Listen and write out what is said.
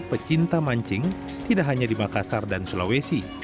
pecinta mancing tidak hanya di makassar dan sulawesi